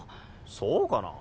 そうかな。